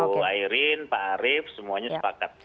jadi pak arief semuanya sepakat